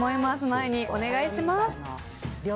前にお願いします。